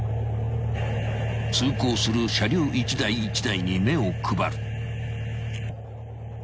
［通行する車両一台一台に目を配る］